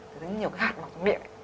nó đánh nhiều cái hạt vào trong miệng